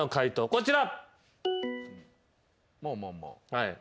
こちら。